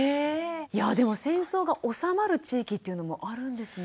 いやぁでも戦争が収まる地域っていうのもあるんですね。